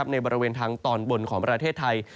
บริเวณทางตอนบนของประเทศไทย